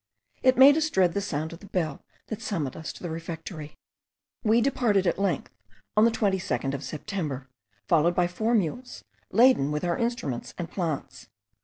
It made us dread the sound of the bell that summoned us to the refectory. We departed at length on the 22nd of September, followed by four mules, laden with our instruments and plants.